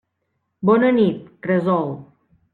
Bona nit, cresol.